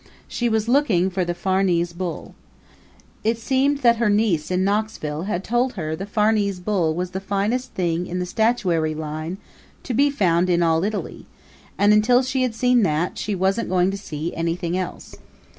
She was looking for the Farnese Bull. It seemed her niece in Knoxville had told her the Farnese Bull was the finest thing in the statuary line to be found in all Italy, and until she had seen that, she wasn't going to see anything else.